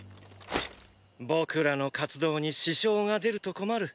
僕らの活動に支障が出ると困る。